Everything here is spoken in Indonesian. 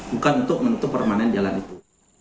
bukan untuk menutup permanen jalan itu